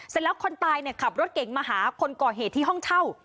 คนตายเนี่ยขับรถเก่งมาหาคนก่อเหตุที่ห้องเช่า